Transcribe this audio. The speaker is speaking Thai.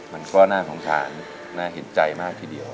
มันก็น่าสงสารน่าเห็นใจมากทีเดียว